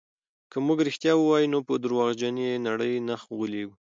که موږ رښتیا ووایو نو په درواغجنې نړۍ نه غولېږو.